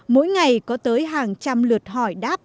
mỗi ngày có tới hàng trăm lượt hỏi đáp